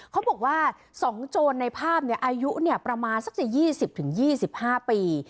เขาบอกว่า๒โจรในภาพอายุประมาณสัก๒๐๒๕ปี